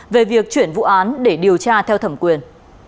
về việc chuyển vụ án để điều tra theo thẩm quyền